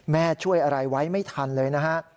ช่วยอะไรไว้ไม่ทันเลยนะฮะ